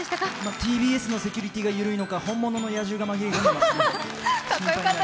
ＴＢＳのセキュリティーが緩いのか、本物の野獣が紛れ込んでいました。